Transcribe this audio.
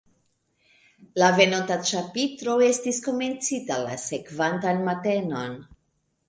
La venonta ĉapitro estis komencita la sekvantan matenon.